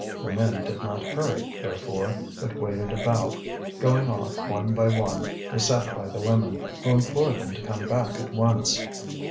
The men did not hurry, therefore, but waited about, going off one by one, beset by the women, who implored them to come back at once.